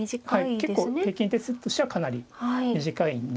結構平均手数としてはかなり短いんで。